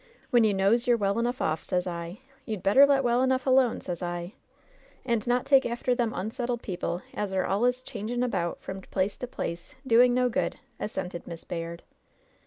When you knows you're well enough off, sez I, you'd better let well enough alone, sez I. And not take after them imsettled people as are alius changing about from place to place, doing no good," assented Miss Bayard.